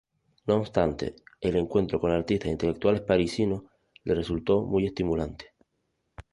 No obstante, el encuentro con artistas e intelectuales parisinos le resultó muy estimulante.